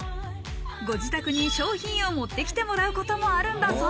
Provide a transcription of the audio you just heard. ご自宅に商品を持ってきてもらうこともあるんだそう。